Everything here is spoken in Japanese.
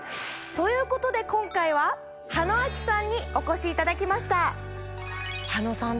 ということで今回は羽野晶紀さんにお越しいただきました！